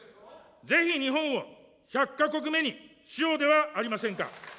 ぜひ日本を１００か国目にしようではありませんか。